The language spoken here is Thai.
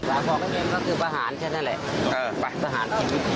สาของเขาเป็นก็คือประหารใช่นั่นแหละประหาร